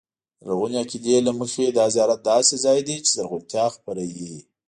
د لرغوني عقیدې له مخې دا زیارت داسې ځای دی چې زرغونتیا خپروي.